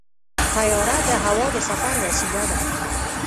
طیاره د هوا د سفر وسیله ده.